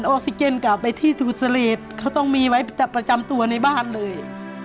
ออกซิเจนกลับไปที่สมุทรเขาต้องมีไว้ประจำตัวในบ้านเลย